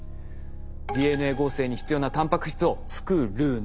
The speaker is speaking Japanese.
「ＤＮＡ合成に必要なタンパク質を作るな」。